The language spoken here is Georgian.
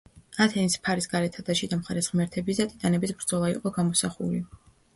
ათენას ფარის გარეთა და შიდა მხარეს ღმერთების და ტიტანების ბრძოლა იყო გამოსახული.